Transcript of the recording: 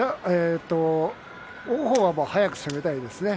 王鵬は早く攻めたいと思いますね。